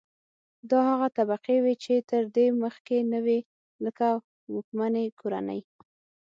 دا هغه طبقې وې چې تر دې مخکې نه وې لکه واکمنې کورنۍ.